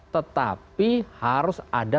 tetapi harus ada